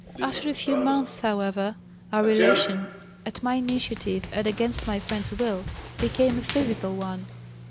After a few months, however, our relation, at my initiative and against my friend's will, became a physical one.